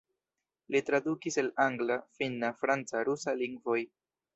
Li tradukis el angla, finna, franca, rusa lingvoj.